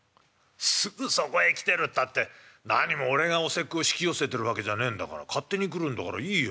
「すぐそこへ来てるったってなにも俺がお節句を引き寄せてるわけじゃねえんだから勝手に来るんだからいいよ。